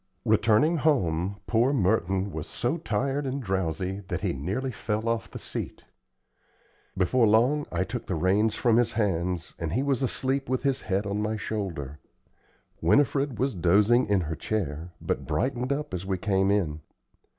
Returning home, poor Merton was so tired and drowsy that he nearly fell off the seat. Before long I took the reins from his hands, and he was asleep with his head on my shoulder. Winifred was dozing in her chair, but brightened up as we came in.